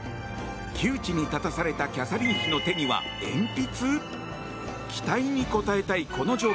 窮地に立たされたキャサリン妃の手には鉛筆？